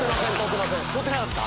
通ってなかった？